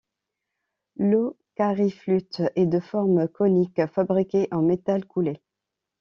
L'ocariflute est de forme conique, fabriquée en métal coulé.